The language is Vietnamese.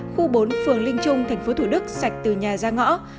khu bốn phường linh trung tp thủ đức sạch từ nhà ra ngõ